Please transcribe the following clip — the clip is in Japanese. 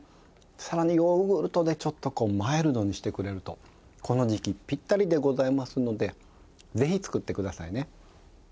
さらにヨーグルトでちょっとこうマイルドにしてくれるとこの時期ピッタリでございますのでぜひ作ってくださいね。